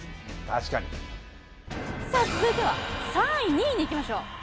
確かにさあ続いては３位２位にいきましょう